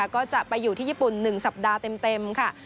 ก็จะไปอยู่ที่ญี่ปุ่น๑สัปดาห์เต็มค่ะ